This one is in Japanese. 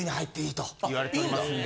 言われておりますんで。